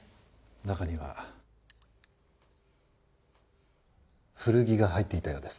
中には古着が入っていたようです。